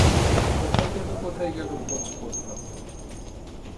কোথায় গেল কোথায় গেল খোঁজ পড়িল।